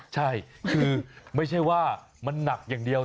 ใช่คือไม่ใช่ว่ามันหนักอย่างเดียว